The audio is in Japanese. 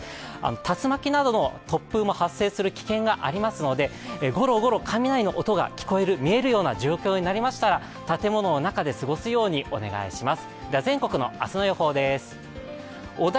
竜巻などの突風も発生する危険性もありますのでゴロゴロ雷の音が聞こえる、見えるような状況になりましたら、建物の中で過ごすようにお願いします。